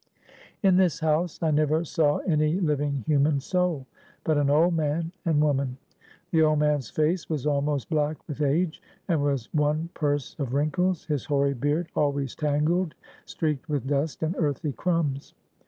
"In this house I never saw any living human soul, but an old man and woman. The old man's face was almost black with age, and was one purse of wrinkles, his hoary beard always tangled, streaked with dust and earthy crumbs.